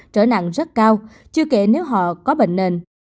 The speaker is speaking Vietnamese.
trở nặng rất cao chưa kể nếu họ có bệnh nền